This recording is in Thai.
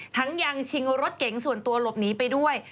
ทั้งยังชิงรถเก๋งส่วนตัวหลบหนีไปด้วย